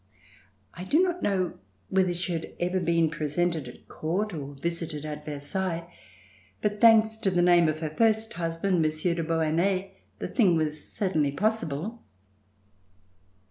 I do not know whether she had ever been presented at Court or visited at Versailles, but thanks to the name of her first hus band. Monsieur de Beauharnais, the thing \\as certainly possible.